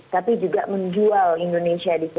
tapi juga menjual indonesia di sini